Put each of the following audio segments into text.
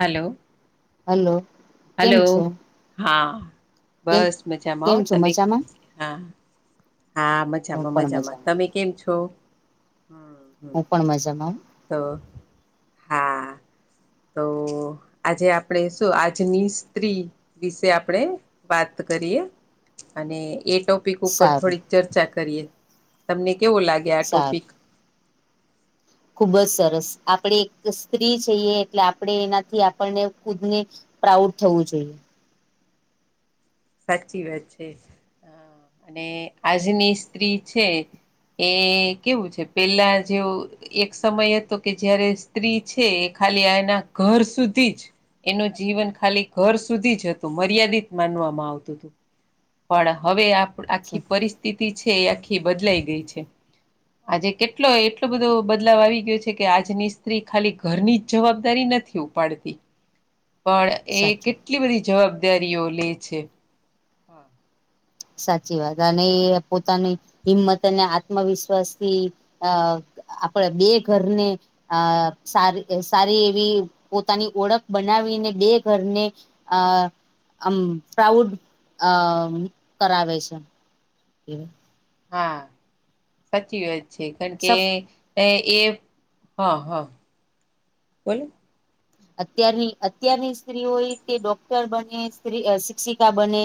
Hello hello hello કેમ છો હા. કેમ બસ કેમ મજામાં છો તમે મજામાં કે હા. હા હું મજામાં પણ મજામાં તમે કેમ છો? હમ્મ. હું પણ મજામા તો હા તો આજે આપણે શું આજની સ્ત્રી વિશે આપણેે વાત કરીએ અને એ ટોપિક ઉપર સારું થોડીક ચર્ચા કરીએ તમને કેવો લાગે આ સારું ટોપિક ખુબ જ હા સરસ આપણે એક સ્ત્રી છીએ, એટલે આપણે એનાથી આપણને ખુદને પ્રાઉડ થવું જોઈએ સાચી વાત છે, અને આજની સ્ત્રી છે. એ કેવું છે, પેલા જેઉ એક સમય હતો કે જયારે સ્ત્રી છે, એ ખાલી એના ઘર સુધી જ એનું જીવન ખાલી ઘર સુધી જ હતુ મર્યાદિત માનવામાં આવ તું તું પણ હવે આખી પરિસ્થિતિ છે, એ આખી બદલાઈ ગઈ છે. આજે કેટલો એટલો બધો બદલાવ આવી ગ્યો છે કે આજની સ્ત્રી ખાલી ઘરની જ જવાબદારી નથી. ઊપાડતી પણ એ સાચું કેટલી બધી જવાબદારીઓ લે છે. સાચી વાત અને એ પોતાની હિંમત અને આત્મવિશ્વાસથી આ આપડા બે ઘરને અ સારી સારી એવી પોતાની ઓળખ બનાવીને બે ઘરને અ આમ પ્રાઉડ અ કરાવે છે. એમ હા સાચી વાત છે કારણ કે સફ એ એ હા હા બોલો અત્યારની અત્યારની સ્ત્રી હોય, તે ડોક્ટર બને સ્ત્રી શિક્ષિકા બને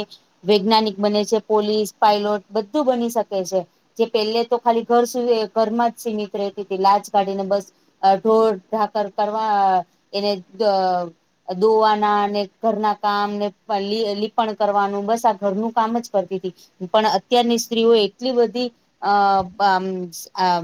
વૈજ્ઞાનિક બને છે, પોલીસ પાયલોટ બધું બની શકે છે. જે પહેલે તો ખાલી ઘર સુધી ઘરમાં જ સીમિત રતી હતી, લાજ ગાડી ને બસ અ ઢોર ઢાકર કરવા એને દોવાના અને ઘરના કામ ને લીપણ કરવાનું બસ આ ઘરનું કામ જ કરતી હતી. પણ અત્યારની સ્ત્રીઓ એટલી બધી અમ આ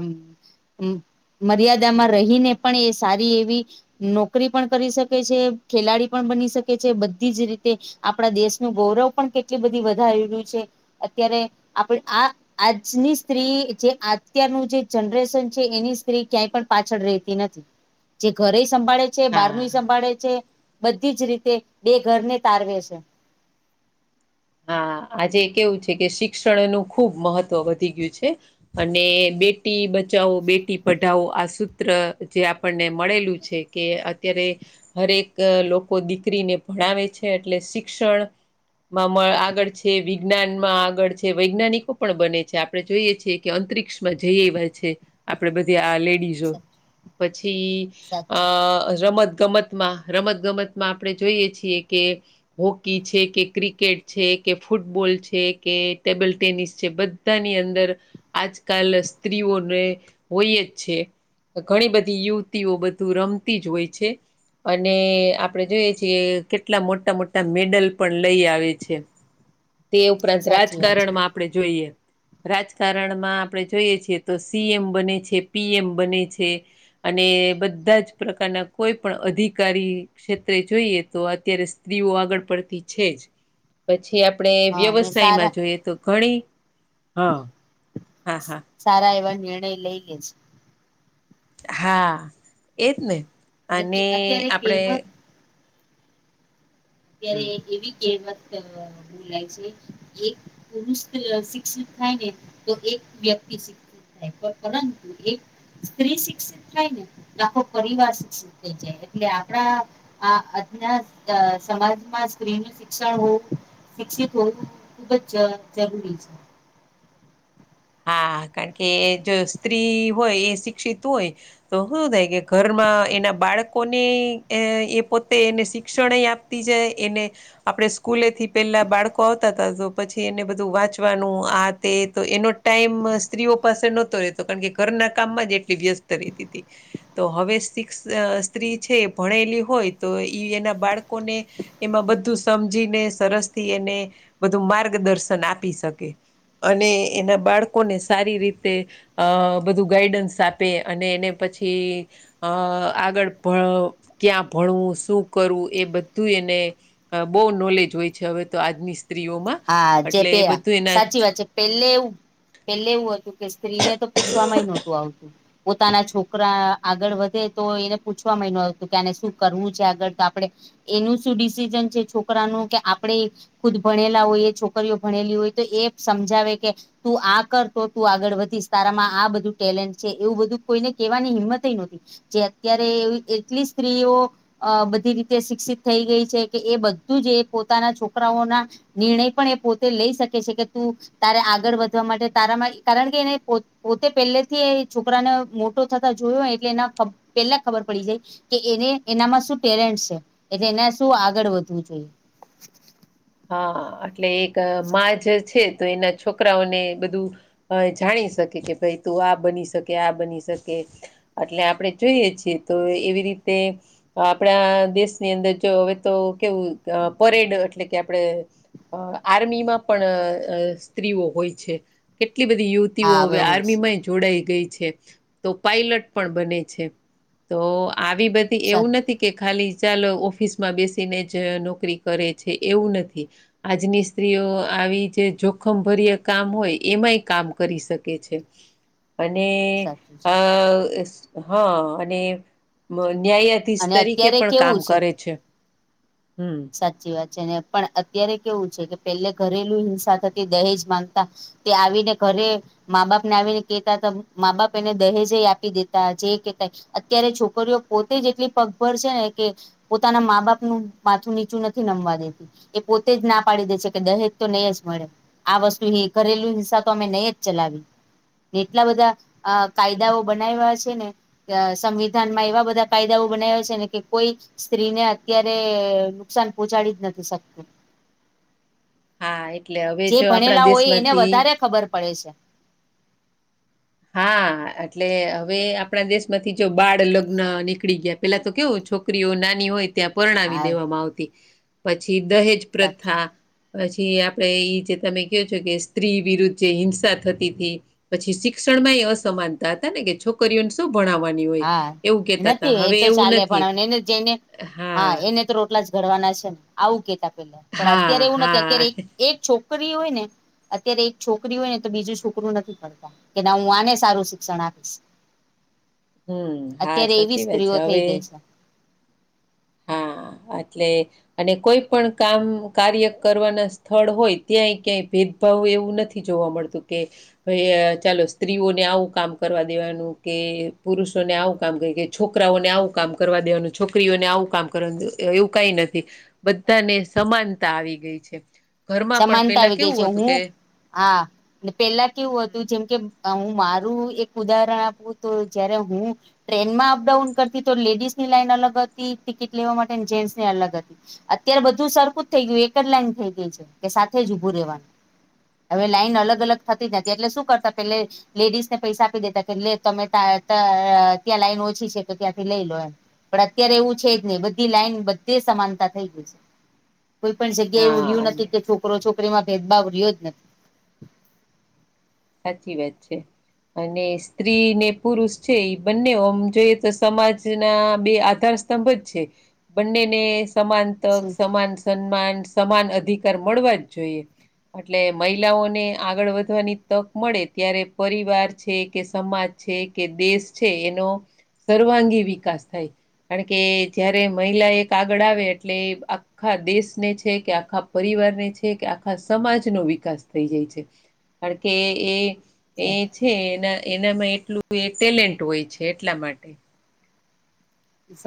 મર્યાદામાં રહીને, પણ એ સારી એવી નો નોકરી પણ કરી શકે છે, ખેલાડી પણ બની શકે છે બધી જ રીતે આપણા દેશનું ગૌરવ પણ કેટલી બધી વધારે રહ્યું છે, અત્યારે આપ આ આજની સ્ત્રી જે અત્યારનું જે જનરેશન છે, એની સ્ત્રી ક્યાંય પણ પાછળ રહેતી નથી. જે ઘરે સંભાળે છે બારનું હા સંભાળે છે, બધી જ રીતે બે ઘરને તારવે છે. હા આજે કેવું છે, કે શિક્ષણનુંું ખુબ મહત્વ વધી ગયું છે. અને બેટી બચાવો બેટી પઢાવો આ સૂત્ર જે આપણને મળેલું છે. કે અત્યારે હરેક લોકો દીકરીને ભણાવે છે, એટલે શિક્ષણ માં આગળ છે, વિજ્ઞાન માં આગળ છે વૈજ્ઞાનિકો પણ બને છે, આપણે જોઈએ છીએ. કે અંતરિક્ષમાં જઈ એવા છે, આપડે બધા આ લેડીઝ પછી સાચું આ રમત ગમત રમત ગમતમાં આપણે જોઈએ છીએ કે હોકી છે, કે ક્રિકેટ ક્રિકેટ છે કે ફૂટબોલ છે કે ટેબલ ટેનિસ છે બધાની અંદર આજકાલ સ્ત્રીઓને હોય જ છે. ઘણી બધી યુવતીઓ બધું રમતી જ હોય છે. અને આપડે જોઈએ છીએ કેટલા મોટા મોટા મેડલ પણ લઈ આવે છે. તે ઉપરાંત સાચી વાત છે રાજકારણમાં આપણે જોઈએ રાજકારણમાં આપણે જોઈએ છીએ તો સીએમ બને છે પીએમ બને છે. અને બધા જ પ્રકારના કોઈ પણ અધિકારી ક્ષેત્રે જોઈએ તો અત્યારે સ્ત્રીઓ આગળ પડતી છે, જ પછી આપણે હા અને સારા વ્યવસાયમાં જોઈએ તો ઘણી હા હા હા સારા એવા નિર્ણય લઈ લેજ હા, એજ ને અને અત્યારે આપણેે કેવા ત્યારે હમ એવી કહેમત મું લાગ છે. એક પુરુષ શિક્ષિત થાય ને તો એક વ્યક્તિ શ પરંતુ એક સ્ત્રી શિક્ષિત થાય ને લખો પરિવાર શિક્ષિત થ જાય એટલે આપણા આ અજ સમાજમાં સ્ત્રીનું શિક્ષણ હોવું શિક્ષિત હોવું ખુબ જ જરૂરી છે. હા કારણ કે જો સ્ત્રી હોય એ શિક્ષિત હોય. તો શું થાય કે ઘરમાં, એના બાળકોને એ પોતે એને શિક્ષણ આપ તી જાય એને આપણે સ્કૂલેથી પેલા બાળકો આવતા હતા, તો પછી એને બધું વાંચવાનું આ તે તો એનો ટાઈમ સ્ત્રીઓ પાસે નહતો રહેતો કારણ કે ઘરના કામમાં જ એટલી વ્યસ્ત રહેતી હતી. તો હવે શિક્ષ સ્ત્રી છે ભણેલી હોય, તો એના બાળકોને એમાં બધું સમજીને સરસ થી, એને બધું માર્ગદર્શન આપી શકે અને એના બાળકોને સારી રીતે અ બધું ગાઈડન્સ આપે અને એને પછી. અ આગળ ક્યાં ભણવું શું કરવું એ બધું એને અ બહુ નોલેજ હોય છે, હવે તો આજની સ્ત્રીઓમાં હા જે એટલે પે એ બધું એના સાચી વાત છે. પેલે એવું પેલે એવું હતું કે સ્ત્રીને તો પૂછ ય નહોતું આવતું પોતાના છોકરા. આગળ વધે તો એને પૂછવા ય ન આવતું કે આને શું કરવું છે, આગળ તો આપડે એનું શું ડિસિઝન છે, છોકરાનું કે આપણે ખુદ ભણેલા હોય છોકરીઓ, ભણેલી હોય તો એ સમજાવે કે તું આ કરતો તું આગળ વધીશ તારામાં આ બધું ટેલેન્ટ છે, એવું બધું કોઈને કેવાની હિંમત નહોતી. જે અત્યારે એ એટલી સ્ત્રીઓ અ બધી રીતે શિક્ષિત થઈ ગઈ છે, કે એ બધું જ એ પોતાના છોકરાઓના નિર્ણય પણ એ પોતે લઈ શકે છે, કે તું તારે આગળ વધવા માટે તારામાં કારણ કે એને પોતે પહેલેથી છોકરાને મોટો થતા જોયોય એટલે એના પેલા ખબર પડી જાય. કે એને એનામાં શું ટેલેન્ટ છે એટલે એને શું આગળ વધવું જોઈએ. હા એટલે એક માં જ છે, તો એના છોકરાઓને બધુ અ જાણી શકે કે ભાઈ તું આ બની શકે આ બની શકે એટલે આપણે જોઈએ છીએ, તો એવી રીતે આપણા દેશની અંદર જો હવે તો કેવું પરેડ એટલે કે આપણે આર્મીમાં પણ સ્ત્રીઓ હોય છે કેટલી બધી યુથ. હા હવે વે હોય છે આર્મીમાંય જ જોડાઈ ગઈ છે તો પઇલટ પણ બને છે, તો આવી બધી એવું સાચું નથી કે ખાલી ચાલ ઓફિસ માં બેસીને જ નોકરી કરે છે, એવું નથી થી. આજની સ્ત્રીઓ આવી જે જોખમભરય કામ હોય એમાંય કામ કરી શકે છે. હ અને સાચું છે આ હા, અને ન્યાય અને તરીકે અત્યારે પણ કામ કેવું કરે છે, હમ સાચી વાત છે ને પણ અત્યારે કેવું છે, કે પેલે ઘરેલું હિંસા થતી દહેજ માંગતા તે આવીને ઘરે મા બાપને આવીને કેતા હતા, મા બાપ એને દહેજ આપી દેતા જે કેતા અત્યારે છોકરીઓ, પોતે જ એટલી પગભર છે ને કે પોતાના મા બાપનુ માથું નીચું નથી નમવા દેતી એ પોતે જ ના પાડી દે છે કે દહેજ તો નહી, જ મળે આ વસ્તુ હ કરેલું હિસ્સા તો અમે નહી જ ચલાવી જેટલા બધા અ કાયદાઓ બનાવ્યા છેને. સંવિધાનમાં એવા બધા કાયદાઓ બનાવે છેને કે કોઈ સ્ત્રીને અત્યારે નુકસાન પહોંચાડી જ નથી, શકત હા એટલે હવે જે જો આપણા ભણેલા હોય, એને દેશમાંથી વધારે ખબર પડે છે. હા એટલે હવે આપણા દેશ માંથી જો બાળ લગ્ન નીકળી ગયા પેલા તો કેવું છોકરીઓ નાની હોય. ત્યાં પરણાવી હા દેવામાં આવતી પછી દહેજ સાચું પ્રથા પછી આપડે ઈ જે તમે કહ છો, કે સ્ત્રી વિરુદ્ધ જે હિંસા થતી હતીથી પછી શ શિક્ષણમાં એ અસમાનતા હતા, ને કે છોકરી ને શું ભણાવવાની હોય હા એવું કેતા ત નથી એ હવે તો એવું ચાલે નથી. પણ એને જઈને હા એને તો રોટલા જ ઘડવાના છેને, આવું કેતા પેલા પણ હા અત્યારે એવું નથી હા અત્યારે હા એક છોકરી હોય ને, અત્યારે એક છોકરી હોય ને તો બીજું છોકરું નથી, પડતા કે ના હું આને સારું શિક્ષણ આપીશ હમ હા અત્યારે એવી સાચી વાત છે, સ્ત્રીઓ થઈ હવે ગઈ છે હા, એટલે અને કોઈ પણ કામ કાર્ય કરવાના સ્થળ હોય ત્યાંય ક્યાંય ભેદ બ એવું નથી જોવા મળતું કે ભાઈ ચાલો સ્ત્રીઓને આવું કામ કરવા દેવાનું કે પુરુષોને આવું કામ કર છોકરાઓને આવું કામ કરવા દેવાનું છોકરીઓને આવું કામ કરવા એવું કઈ નથી બધાને સમાનતા આવી ગઈ છે. ઘરમાં પણ સમાનતા પેલા આવી ગઈ છે કેવું હતુ, કે. હું હા. પેલા કેવું હમ, હતું જેમ કે હું મારું એક ઉદાહરણ આપું તો જય્યારેારે હુ ટ્રેનમાં અપડાઉન કરતી તો લેડીઝ ની લાઈન અલગ હતી ટિકિટ લેવા માટે જેન્ટ્સ ની અલગ હતી. અત્યારે બધું સરખું જ થઈ ગયું એક જ લાઈન થઈ ગઈ છે, કે સાથે જ ઊભું રહેવાનુ હવે લાાઈન હા અલગ અલગ થતી, જતી એટલે શું કરતા પેલે. લેડીસ ને પૈસા આપી દેતા કે તમે ત્યાં લાઈન ઓછી છે, તો ત્યાંથી લઈ લો એમ. પણ અત્યારે એવું છે જ નહી બધી લાઈન બધી સમાનતા થઈ ગયઈ છે. કોઈ પણ જગ્યા એવું હા રહ્યું નથી અને કે છોકરો છોકરી માં ભેદભાવ રહ્યો જ નથીને સાચી વાત છે. અને સ્ત્રી ને પુરુષ છે, એ બંને આમ જોઈએ તો સમાજના બે આધાર સ્તંભ જ છે બંનેને સમાન તક શું સમાન સન્માન સમાન અધિકાર મળવા જ જોઈએ. એટલે મહિલાઓને આગળ વધવાની. તક મળે ત્યારે પરિવાર છે, કે સમાજ છે કે દેશ છે એનો સર્વાંગી વિકાસ થાય કારણ કે જયારે મહિલા એક આગળ આવે એટલે. આખા દેશને છે કે આખા પરિવારને છે, કે આખા સમાજનોો વિકાસ થઈ જાય છે. કારણ કે એ એ જ છે એના એનામાં એટલું એ ટેલેન્ટ હોય છે, એટલા માટે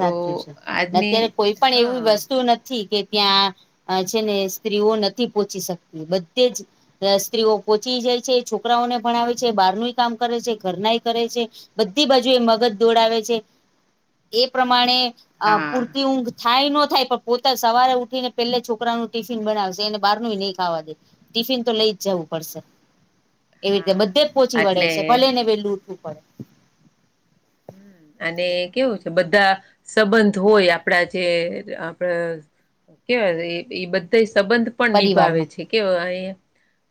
તો છે, આજની અત્યારે કોઈ પણ એવી હા વસ્તુ નથી કે ત્યાં છે ને સ્ત્રીઓ નથી, પહોચી શકતી બધે જ સ્ત્રીઓ પોહોંચી જાય છે છોકરાઓને ભણાવે છે બહાર ન કામ કરે છે, ઘરનાય કરે છે. બધી બાજુ એ મગજ દોડાવે છે, એ પ્રમાણે હા પૂરતી ઊંઘ થાય ન થાય પણ પોતા સવારે ઉઠીને પેલે છોકરાનું ટિફિન બનાવશે અનેને બારનું નહી ખાવા દે ટિફિન તો લઈ જ જવું પડશે એવી રીતે હા બધે જ પોહોચી વળે એટલે છે, ભલે ને વેલું ઉઠવું પડે. હમ અને કેવું છે, બધા સંબંધ હોય આપણા જે આપડ કેવાય એ બધા સંબંધ પણ નિભાવે પરિવારમાં છે, કેવા અ.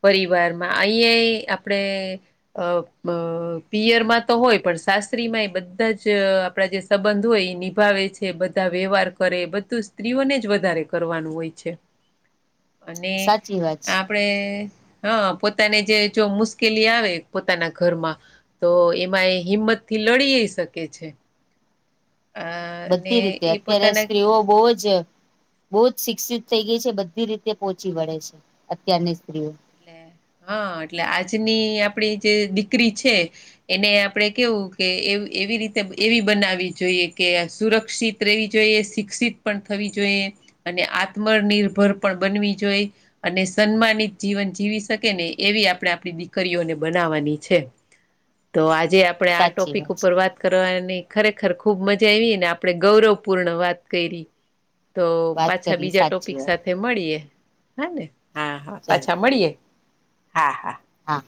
પરિવાર માં અહીંયા આપણેે. અ પિયરમાં તો હોય પણ શસ્ સ્ત્રી માં એ બધા જ આપણા જે સંબંધ હોય એ નિભાવે છે, બધા વ્યવહાર કરે બધું. સ્ત્રીઓને જ વધારે કરવાનું હોય છે, અને સાચી વાત છે આપ. આપણે હા, પોતાને જે જો મુશ્કેલી આવે પોતાના ઘરમા તો એમાં એ હિંમત થી લડી જઈ શકે છે. અ અને બધી રીતે એ અત્યારે પોતાના સ્ત્રીઓ બહુ જ બહુ જ શિક્ષિત થઈ ગઈ છે, બધી રીતે પોહોંચી વળે છે અત્યારની સ્ત્રીઓ એટલે હા એટલે આજની આપણી જે દીકરી છે. એને આપણે કેવું કે એવી રીતે એવી બનાવી જોઈએ કે સુરક્ષિત. રહેેવી જોઈએ શિક્ષિત પણ થવી જોઈએ. અને આત્મનિર્ભર પણ બનવી જોઈ અને સન્માનિત જીવન જીવી શકે ને એવી આપણે આપણી દીકરીઓને બનાવવાની છે. તો આજે આપડણે આ સાચી ટોપિક છે ઉપર વાત. કરવાની ખરેખર ખુબ મજા આવી ને આપડણે ગૌરવપૂર્ણ વાત કરી તો વાત પાછા કરી બીજા સાચી ટોપિક વાત સાથે તે મળીએ હા ને હા હા ચાલો પાછા મળીએ હા હા હા.